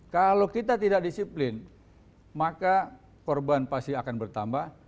kalau kita tidak disiplin maka korban pasti akan bertambah